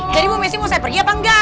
jadi ibu mesti mau saya pergi apa engga